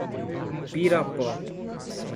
Pirapó